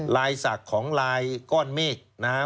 ลายศักดิ์ของลายก้อนเมฆนะฮะ